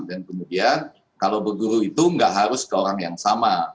dan kemudian kalau berguru itu nggak harus ke orang yang sama